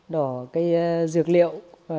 đỏ cây rực liệu